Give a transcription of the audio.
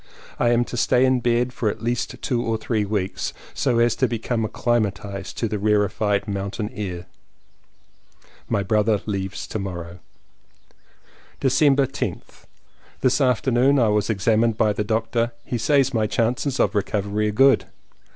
I am to stay in bed for at least two or three weeks, so as to become acclimatized to the rarified moun tain air. My brother leaves to morrow. 226 LLEWELLYN POWYS December 10th. This afternoon I was examined by the doctor. He says my chances of recovery are good.